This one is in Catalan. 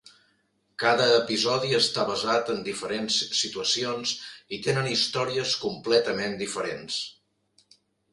Cada episodi està basat en diferents situacions i tenen històries completament diferents.